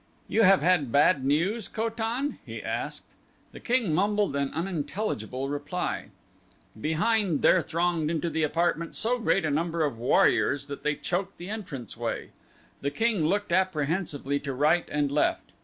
"You have had bad news, Ko tan?" he asked. The king mumbled an unintelligible reply. Behind there thronged into the apartment so great a number of warriors that they choked the entrance way. The king looked apprehensively to right and left.